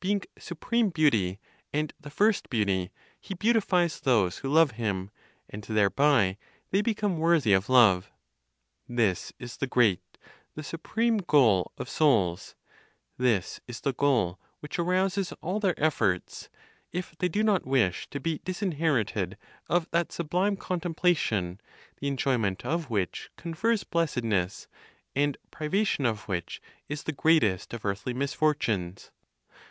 Being supreme beauty, and the first beauty, He beautifies those who love Him, and thereby they become worthy of love. This is the great, the supreme goal of souls; this is the goal which arouses all their efforts, if they do not wish to be disinherited of that sublime contemplation the enjoyment of which confers blessedness, and privation of which is the greatest of earthly misfortunes.